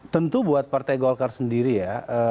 tentu buat partai golkar sendiri ya